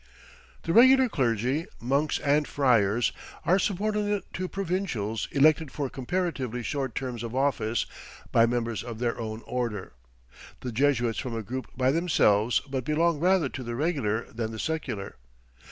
The regular clergy, monks and friars, are subordinate to provincials elected for comparatively short terms of office by members of their own order. The Jesuits form a group by themselves but belong rather to the regular than the secular.